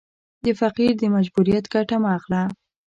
د فقیر د مجبوریت ګټه مه اخله.